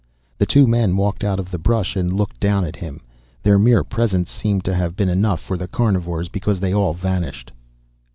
The two men walked out of the brush and looked down at him. Their mere presence seemed to have been enough for the carnivores, because they all vanished.